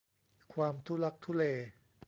ความทุลักทุเล